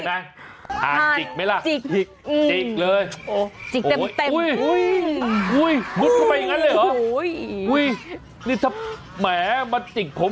หัวหายแม็กซ์อ่าจิกไหมล่ะจิกจิกจิกจิกเลยโอ้จิกเต็ม